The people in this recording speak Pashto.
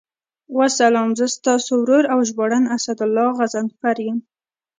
والسلام، زه ستاسو ورور او ژباړن اسدالله غضنفر یم.